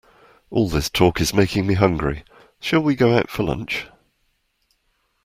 All this talk is making me hungry, shall we go out for lunch?